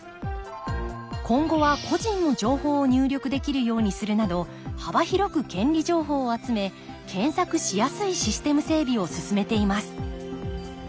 今後は個人の情報を入力できるようにするなど幅広く権利情報を集め検索しやすいシステム整備を進めています